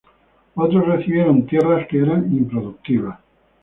Otros recibieron tierras que eran improductivas.